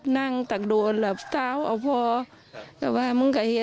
ให้อาภัยลูกเลย